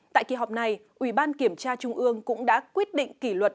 tại kỳ họp này ủy ban kiểm tra trung ương cũng đã quyết định kỷ luật